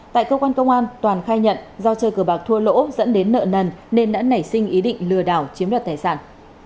tại cơ quan công an toàn khai nhận do chơi cờ bạc thua lỗ dẫn đến nợ nần nên đã nảy sinh ý định lừa đảo chiếm đoạt tài sản